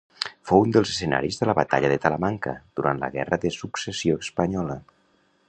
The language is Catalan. Fou un dels escenaris de la Batalla de Talamanca durant la guerra de successió espanyola.